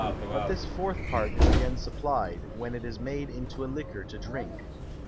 But this fourth Part is again supply'd, when it is made into a Liquor to drink.